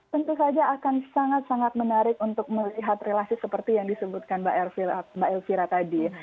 tentu saja akan sangat sangat menarik untuk melihat relasi seperti yang disebutkan mbak elvira tadi